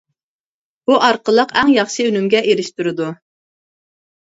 بۇ ئارقىلىق ئەڭ ياخشى ئۈنۈمگە ئېرىشتۈرىدۇ.